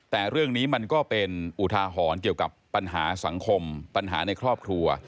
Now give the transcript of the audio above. แต่เรื่องนี้มันก็เป็นอุทาหรณ์เกี่ยวกับปัญหาสังคมปัญหาในครอบครัว